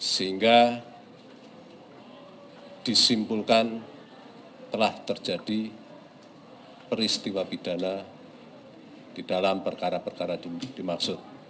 sehingga disimpulkan telah terjadi peristiwa pidana di dalam perkara perkara dimaksud